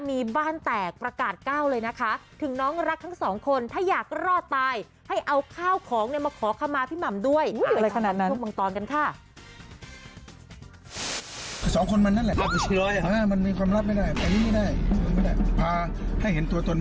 พี่ชายเขาพี่หม่ำออกมาที่นี่แบบนี้ค่ะโยนระเบิดไว้อย่างงี้คุณผู้ชม